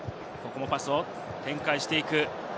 パスを展開していく。